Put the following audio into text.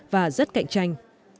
và rất cạnh tranh